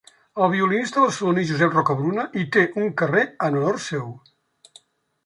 El violinista barceloní Josep Rocabruna hi té un carrer en honor seu.